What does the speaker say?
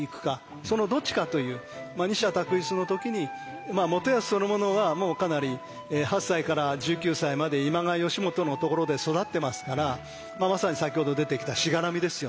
そのどっちかという二者択一の時に元康そのものはもうかなり８歳から１９歳まで今川義元のところで育ってますからまさに先ほど出てきたしがらみですよね。